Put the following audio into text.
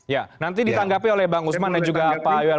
ya nanti ditanggapi oleh bang usman dan juga pak awel